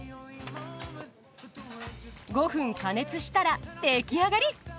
５分加熱したら出来上がり。